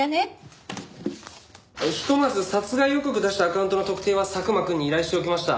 ひとまず殺害予告を出したアカウントの特定は佐久間くんに依頼しておきました。